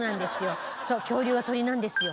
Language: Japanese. そう恐竜は鳥なんですよ。